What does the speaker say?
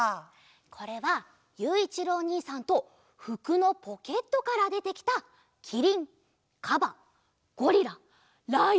これはゆういちろうおにいさんとふくのポケットからでてきたキリンカバゴリラライオンだよ！